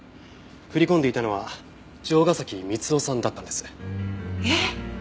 振り込んでいたのは城ヶ崎充生さんだったんです。えっ！？